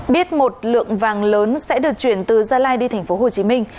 biết một lượng vàng lớn sẽ được chuyển từ gia lai đi tp hcm